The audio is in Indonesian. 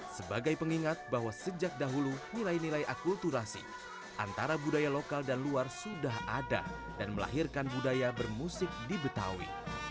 sebagai pengingat bahwa sejak dahulu nilai nilai akulturasi antara budaya lokal dan luar sudah ada dan melahirkan budaya bermusik di betawi